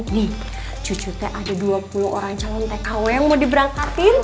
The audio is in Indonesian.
nih cucunya ada dua puluh orang calon tkw yang mau diberangkatin